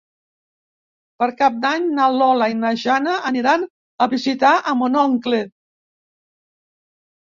Per Cap d'Any na Lola i na Jana aniran a visitar mon oncle.